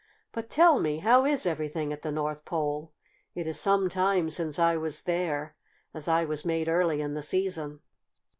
But tell me, how is everything at the North Pole? It is some time since I was there, as I was made early in the season."